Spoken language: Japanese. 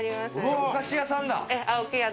和菓子屋さんだ。